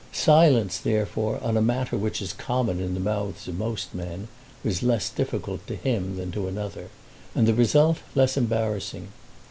Silence therefore on a matter which is common in the mouths of most men was less difficult to him than to another, and the result less embarrassing.